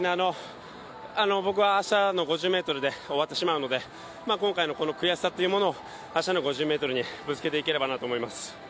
僕は明日の５０ｍで終わってしまうので今回のこの悔しさというものを明日の５０ｍにぶつけていければなと思います。